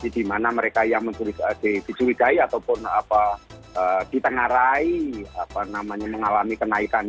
di mana mereka yang diculikai ataupun ditengarakan